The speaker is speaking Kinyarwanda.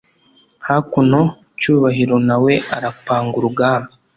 hakuno cyubahiro nawe arapanga urugamba